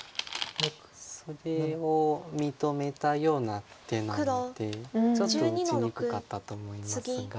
それを認めたような手なのでちょっと打ちにくかったと思いますが。